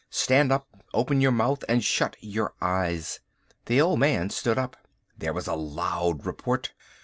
Stand up. Open your mouth and shut your eyes." The old man stood up. There was a loud report.